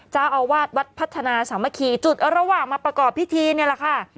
เจ้าอาวาสวัดพัฒนาสามัคคีจุดระหว่างมาประกอบพิธีนี่แหละค่ะ